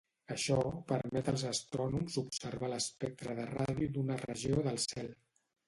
Això permet als astrònoms observar l'espectre de ràdio d'una regió del cel.